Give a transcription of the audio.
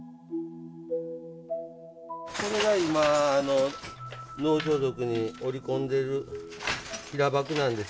これが今能装束に織り込んでる平箔なんです。